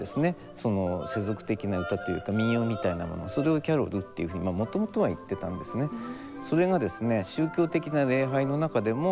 その世俗的な歌っていうか民謡みたいなものそれをキャロルっていうふうにもともとは言ってたんですね。